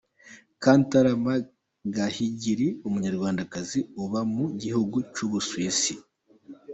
Kantarama Gahigiri, umunyarwandakazi uba mu gihugu cy'ubusuwisi.